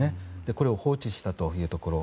これを放置したというところ。